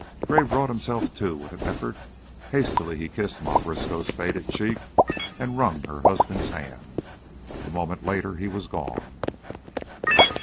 Gray brought himself to with an effort, hastily he kissed Ma Briskow's faded cheek and wrung her husband's hand. A moment later he was gone.